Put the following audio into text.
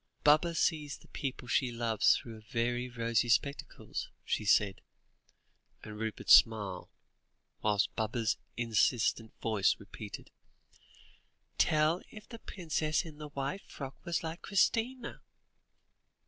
"Baba sees the people she loves through very rosy spectacles," she said, and Rupert smiled, whilst Baba's insistent voice repeated "Tell if the princess in the white frock was like Christina."